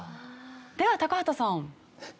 では高畑さん。